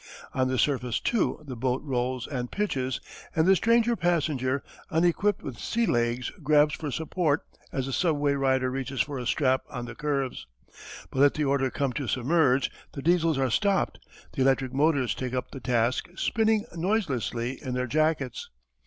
On the surface too the boat rolls and pitches and the stranger passenger, unequipped with sea legs grabs for support as the subway rider reaches for a strap on the curves. But let the order come to submerge. The Diesels are stopped. The electric motors take up the task, spinning noiselessly in their jackets.